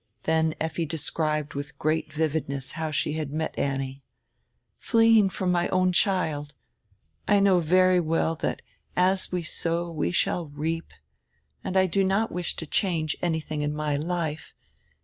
Then Effi described with great vividness how she had met Annie. "Fleeing from my own child. I know very well that as we sow we shall reap and I do not wish to change anything in my life.